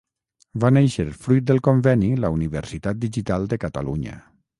Va néixer fruit del conveni La Universitat Digital de Catalunya.